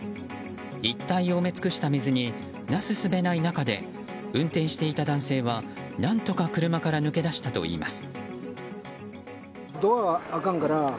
一帯を埋め尽くした水になすすべない中で運転していた男性は何とか車から抜け出したといいます。